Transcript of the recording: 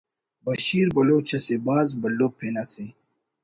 بشیر بلوچ اسہ بھاز بھلو پن اسے